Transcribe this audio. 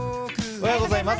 おはようございます。